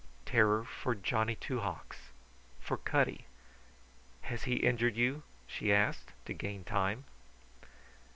Terror for Johnny Two Hawks, for Cutty. "Has he injured you?" she asked, to gain time.